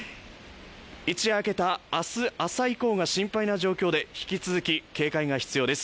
一夜明けた明日朝以降が心配な状況で引き続き警戒が必要です。